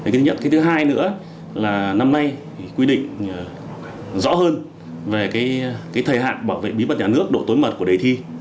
cái thứ hai nữa là năm nay quy định rõ hơn về cái thời hạn bảo vệ bí mật nhà nước độ tối mật của đề thi